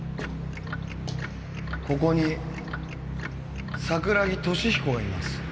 ここに桜木敏彦がいます。